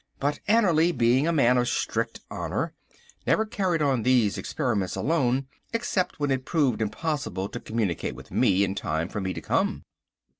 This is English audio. But Annerly, being a man of strict honour, never carried on these experiments alone except when it proved impossible to communicate with me in time for me to come.